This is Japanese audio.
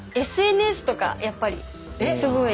ＳＮＳとかやっぱりすごい。